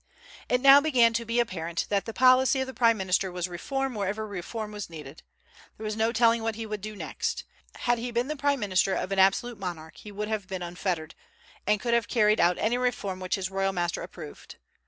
It now began to be apparent that the policy of the prime minister was reform wherever reform was needed. There was no telling what he would do next. Had he been the prime minister of an absolute monarch he would have been unfettered, and could have carried out any reform which his royal master approved.